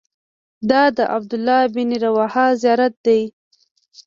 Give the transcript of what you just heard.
دا د عبدالله بن رواحه زیارت دی.